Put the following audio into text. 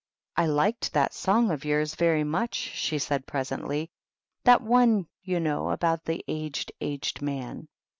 "I liked that song of yours very much/' she said, presently. " That one you know about the ' Aged, Aged Man.